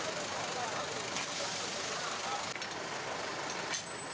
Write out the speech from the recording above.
tidak ada jejak rem di lokasi kecelakaan